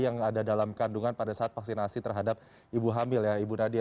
yang ada dalam kandungan pada saat vaksinasi terhadap ibu hamil ya ibu nadia